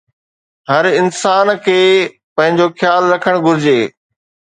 هر انسان کي پنهنجو خيال رکڻ گهرجي